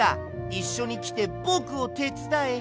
いっしょにきてぼくをてつだえ！